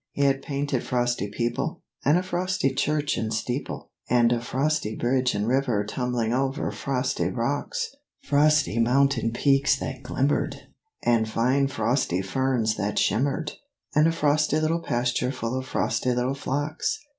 He had painted frosty people, And a frosty church and steeple, And a frosty bridge and river tumbling over frosty rocks; Frosty mountain peaks that glimmered, And fine frosty ferns that shimmered, And a frosty little pasture full of frosty little flocks.